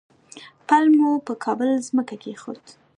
پل مو پر کابل مځکه کېښود.